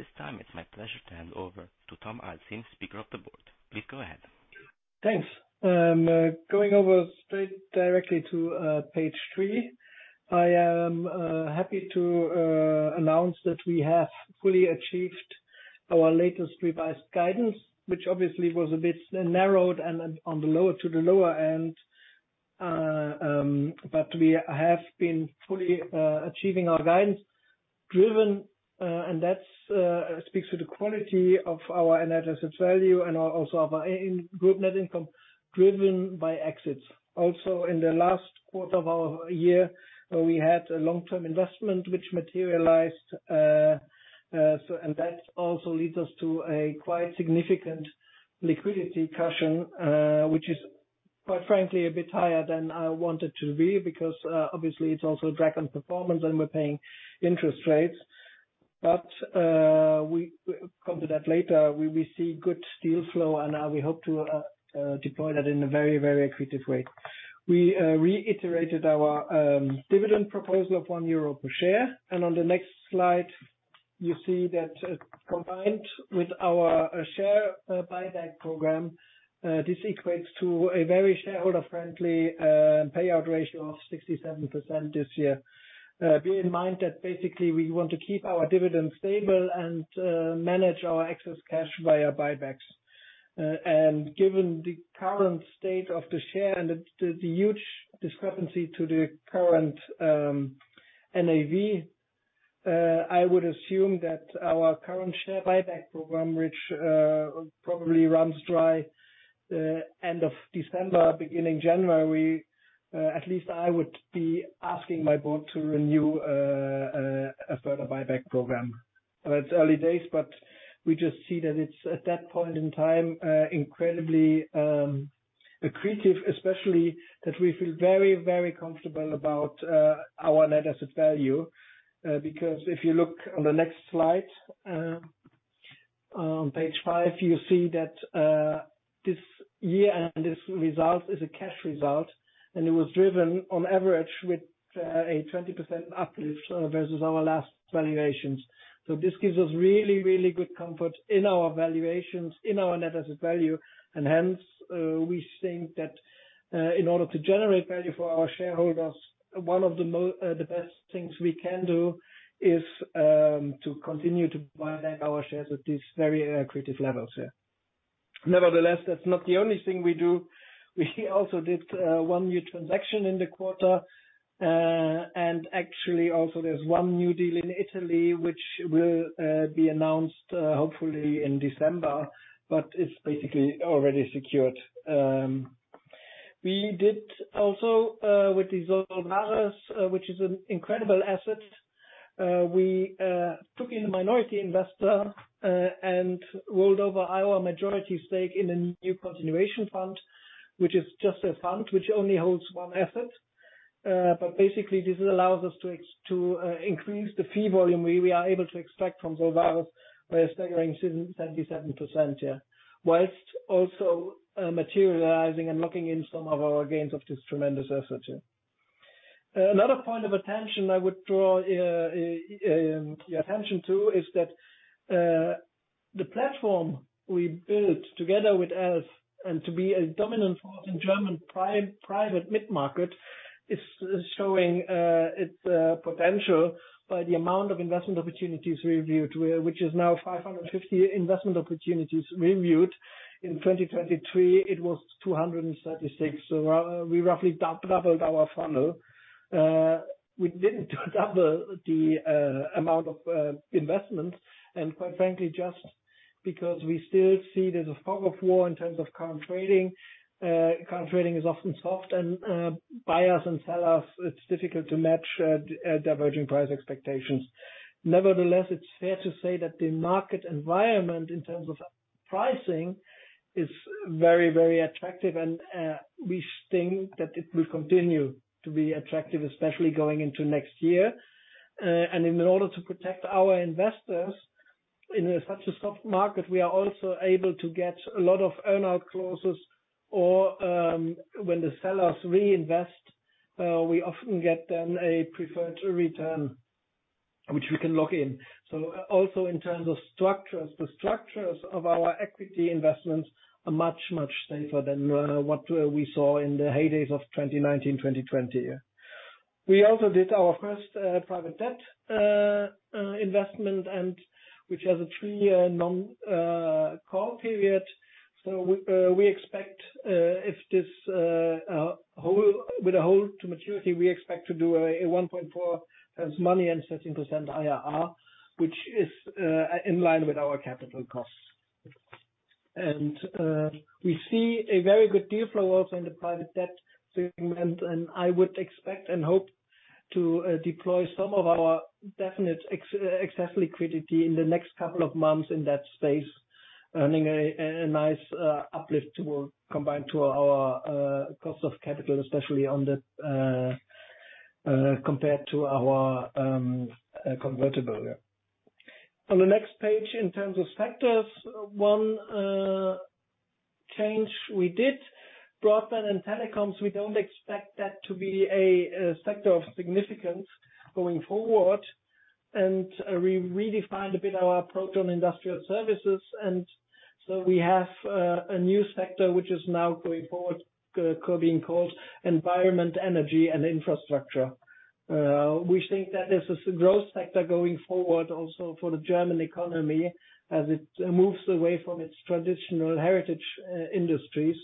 At this time, it's my pleasure to hand over to Tom Alzin, Spokesman of the Board of Management. Please go ahead. Thanks. Going over straight directly to page three. I am happy to announce that we have fully achieved our latest revised guidance, which obviously was a bit narrowed and to the lower end. We have been fully achieving our guidance driven, and that speaks to the quality of our Net Asset Value and also our in group net income driven by exits. Also in the last quarter of our year, we had a long-term investment which materialized, and that also leads us to a quite significant liquidity cushion, which is, quite frankly, a bit higher than I want it to be because obviously it's also a drag on performance and we're paying interest rates. We'll come to that later. We see good deal flow, we hope to deploy that in a very, very accretive way. We reiterated our dividend proposal of 1 euro per share. On the next slide, you see that combined with our share buyback program, this equates to a very shareholder-friendly payout ratio of 67% this year. Bear in mind that basically we want to keep our dividend stable, manage our excess cash via buybacks. Given the current state of the share and the huge discrepancy to the current NAV, I would assume that our current share buyback program, which probably runs dry end of December, beginning January, at least I would be asking my board to renew a further buyback program. It's early days, we just see that it's at that point in time incredibly accretive, especially that we feel very comfortable about our Net Asset Value. Because if you look on the next slide, page five, you see that this year-end result is a cash result, and it was driven on average with a 20% uplift versus our last valuations. This gives us really good comfort in our valuations, in our Net Asset Value. We think that in order to generate value for our shareholders, one of the best things we can do is to continue to buy back our shares at these very accretive levels. Nevertheless, that's not the only thing we do. We also did one new transaction in the quarter. Actually also there's one new deal in Italy which will be announced hopefully in December, but it's basically already secured. We did also with the Solvares, which is an incredible asset, we took in a minority investor and rolled over our majority stake in a new continuation fund, which is just a fund which only holds one asset. Basically this allows us to increase the fee volume we are able to extract from Solvares by a staggering 77%, yeah. Whilst also materializing and locking in some of our gains of this tremendous asset, yeah. Another point of attention I would draw your attention to is that the platform we built together with ELF and to be a dominant force in German private mid-market is showing its potential by the amount of investment opportunities we reviewed, which is now 550 investment opportunities reviewed. In 2023, it was 236. We roughly doubled our funnel. We didn't double the amount of investments, quite frankly, just because we still see there's a fog of war in terms of current trading. Current trading is often soft and buyers and sellers, it's difficult to match diverging price expectations. Nevertheless, it's fair to say that the market environment in terms of pricing is very, very attractive and we think that it will continue to be attractive, especially going into next year. In order to protect our investors in such a soft market, we are also able to get a lot of earn-out clauses or, when the sellers reinvest, we often get them a preferred return which we can lock in. Also in terms of structures, the structures of our equity investments are much, much safer than what we saw in the heydays of 2019, 2020, yeah. We also did our first private debt investment and which has a 3-year non-call period. We expect, with a hold to maturity, we expect to do a 1.4x money and 13% IRR, which is in line with our capital costs. We see a very good deal flow also in the private debt segment, and I would expect and hope to deploy some of our definite excess liquidity in the next couple of months in that space, earning a nice uplift combined to our cost of capital, especially on the compared to our convertible. On the next page, in terms of factors, one change we did. Broadband and telecoms, we don't expect that to be a sector of significance going forward. We redefined a bit our approach on industrial services, so we have a new sector which is now going forward, being called environment, energy and infrastructure. We think that this is a growth sector going forward also for the German economy as it moves away from its traditional heritage industries.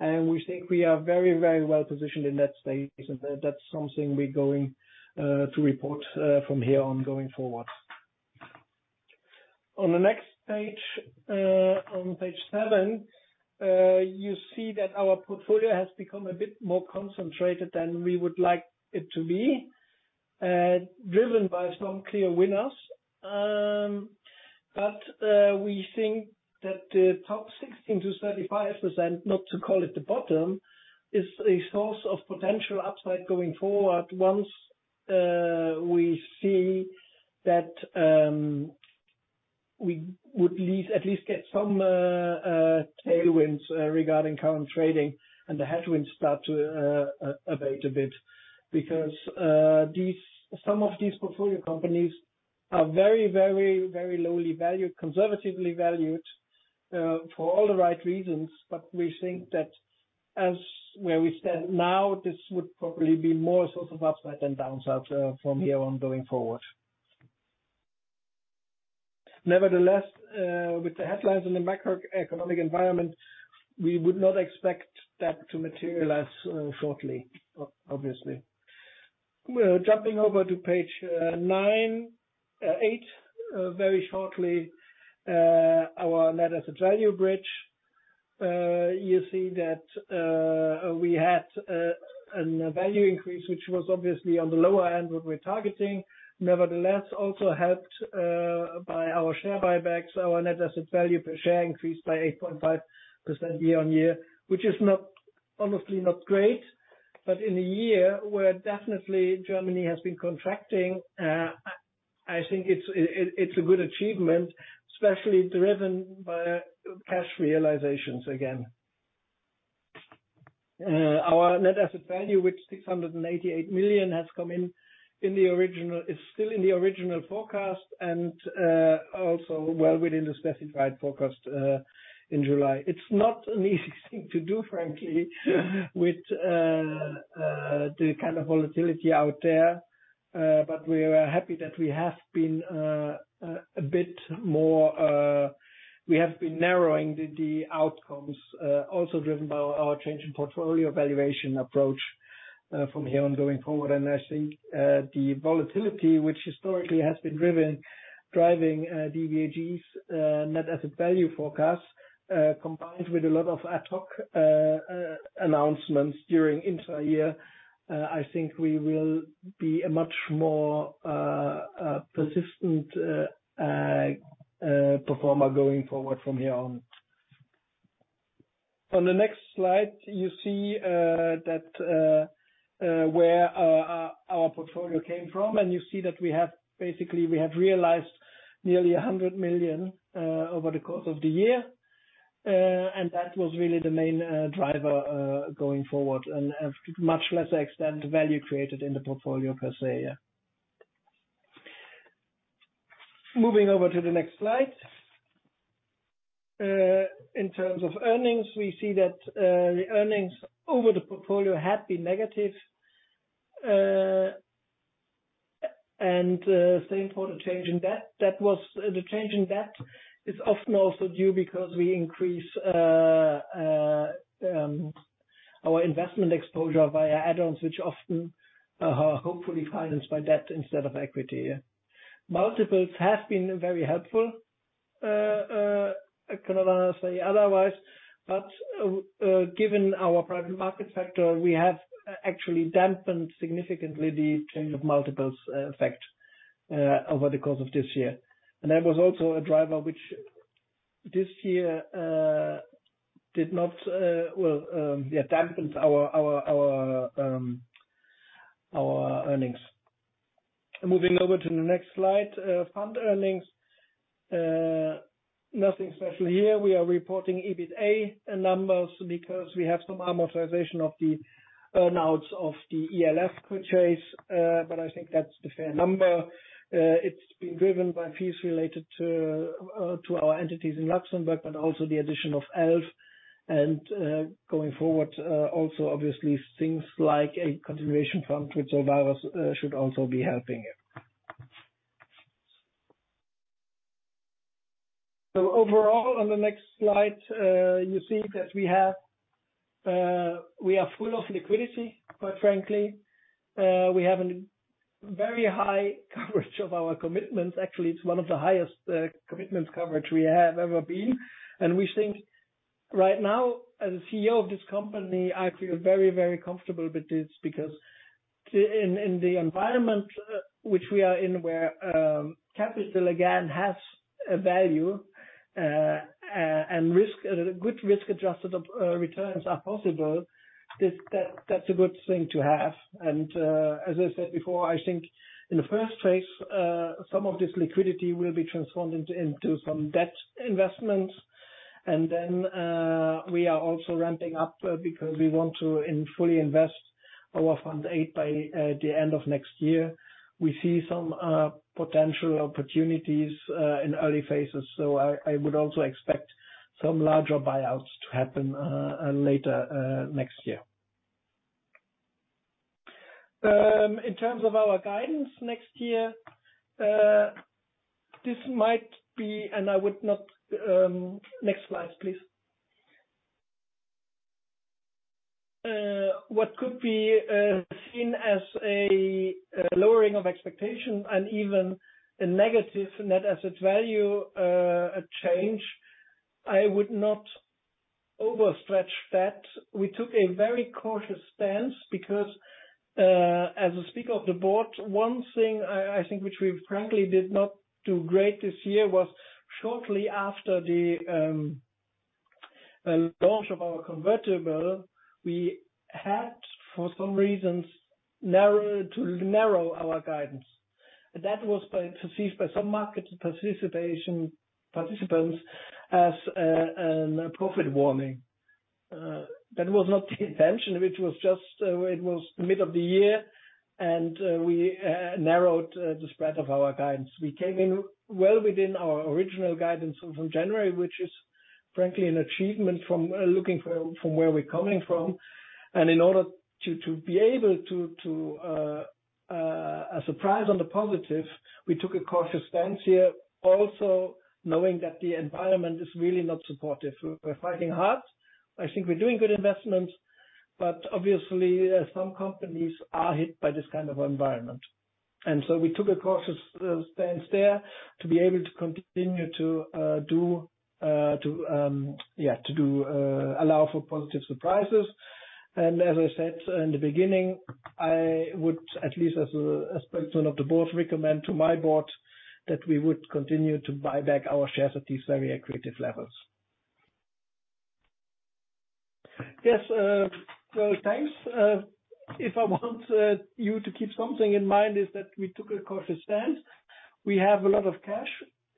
We think we are very, very well positioned in that space, and that's something we're going to report from here on going forward. On the next page, on page seven, you see that our portfolio has become a bit more concentrated than we would like it to be, driven by some clear winners. We think that the top 16%-35%, not to call it the bottom, is a source of potential upside going forward once we see that we would at least get some tailwinds regarding current trading and the headwinds start to abate a bit. Some of these portfolio companies are very, very, very lowly valued, conservatively valued, for all the right reasons. We think that as where we stand now, this would probably be more a source of upside than downside from here on going forward. With the headlines in the macroeconomic environment, we would not expect that to materialize shortly, obviously. Jumping over to page eight very shortly. Our Net Asset Value bridge, you see that we had a value increase, which was obviously on the lower end what we're targeting. Nevertheless, also helped by our share buybacks, our Net Asset Value per share increased by 8.5% year-on-year. Which is not, honestly not great, but in a year where definitely Germany has been contracting, I think it's a good achievement, especially driven by cash realizations again. Our Net Asset Value, which 688 million has come in, is still in the original forecast and also well within the specified forecast in July. It's not an easy thing to do, frankly, with the kind of volatility out there. We are happy that we have been narrowing the outcomes, also driven by our change in portfolio valuation approach, from here on going forward. I think the volatility which historically has been driving DBAG's Net Asset Value forecast, combined with a lot of ad hoc announcements during intra-year, I think we will be a much more persistent performer going forward from here on. On the next slide, you see that where our portfolio came from. You see that basically, we have realized nearly 100 million over the course of the year. That was really the main driver going forward and much less extent value created in the portfolio per se. Moving over to the next slide. In terms of earnings, we see that the earnings over the portfolio have been negative and same for the change in debt. The change in debt is often also due because we increase our investment exposure via add-ons, which often are hopefully financed by debt instead of equity. Multiples have been very helpful, I cannot honestly otherwise. Given our private market sector, we have actually dampened significantly the change of multiples effect over the course of this year. That was also a driver which this year did not well dampened our earnings. Moving over to the next slide. Fund earnings, nothing special here. We are reporting EBITA numbers because we have some amortization of the earn-outs of the ELF purchase, but I think that's the fair number. It's been driven by fees related to our entities in Luxembourg and also the addition of ELF. Going forward, also obviously things like a continuation fund which should also be helping it. Overall, on the next slide, you see that we are full of liquidity, quite frankly. We have a very high coverage of our commitments. Actually, it's one of the highest commitments coverage we have ever been. We think right now, as CEO of this company, I feel very, very comfortable with this because in the environment which we are in, where capital again has a value, and good risk-adjusted returns are possible, that's a good thing to have. Then, as I said before, I think in the first place, some of this liquidity will be transformed into some debt investments. Then, we are also ramping up because we want to fully invest our Fund VIII by the end of next year. We see some potential opportunities in early phases. I would also expect some larger buyouts to happen later next year. In terms of our guidance next year, this might be, and I would not. Next slide, please. What could be seen as a lowering of expectation and even a negative Net Asset Value change, I would not overstretch that. We took a very cautious stance because, as a speaker of the board, one thing I think which we frankly did not do great this year was shortly after the launch of our convertible, we had, for some reasons, to narrow our guidance. That was perceived by some market participants as a profit warning. That was not the intention. It was just, it was mid of the year and we narrowed the spread of our guidance. We came in well within our original guidance from January, which is frankly an achievement from looking from where we're coming from. In order to be able to surprise on the positive, we took a cautious stance here also knowing that the environment is really not supportive. We're fighting hard. I think we're doing good investments, but obviously, some companies are hit by this kind of environment. So we took a cautious stance there to be able to continue to do to allow for positive surprises. As I said in the beginning, I would at least as a Spokesman of the Board recommend to my board that we would continue to buy back our shares at these very accretive levels. Yes, well, thanks. If I want you to keep something in mind is that we took a cautious stance. We have a lot of cash.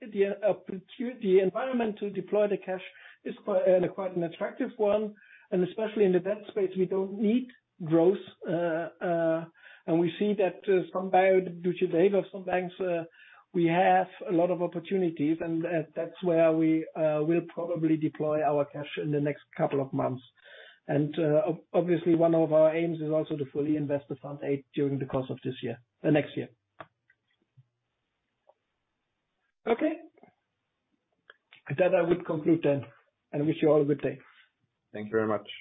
The environment to deploy the cash is quite an attractive one, and especially in the debt space, we don't need growth. We see that, due to the behavior of some banks, we have a lot of opportunities, and that's where we will probably deploy our cash in the next couple of months. Obviously one of our aims is also to fully invest Fund VIII during the course of this year, next year. Okay. With that I would conclude then, and wish you all a good day. Thank you very much.